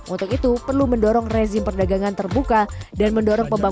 untuk itu perlu diperhatikan